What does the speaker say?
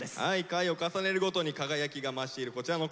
回を重ねるごとに輝きが増しているこちらのコーナー。